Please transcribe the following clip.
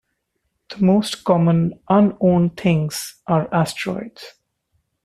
The most common unowned things are asteroids.